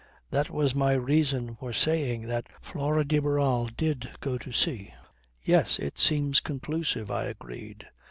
That was my reason for saying that Flora de Barral did go to sea ..." "Yes. It seems conclusive," I agreed.